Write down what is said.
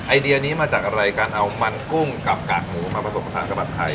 ไอเดียนี้มาจากอะไรการเอามันกุ้งกับกากหมูมาผสมผสานกับผัดไทย